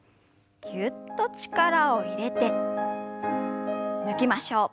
ぎゅっと力を入れて抜きましょう。